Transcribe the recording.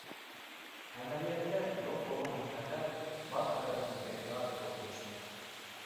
ئەمەلىيەتتە يوق بولغان بىر خەتەر، بار خەتەردىن بەكرەك قورقۇنچلۇق.